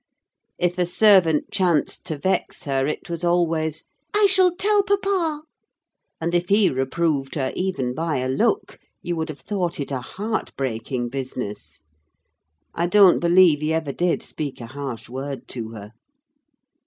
If a servant chanced to vex her, it was always—"I shall tell papa!" And if he reproved her, even by a look, you would have thought it a heart breaking business: I don't believe he ever did speak a harsh word to her.